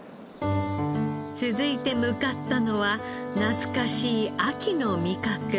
続いて向かったのは懐かしい秋の味覚。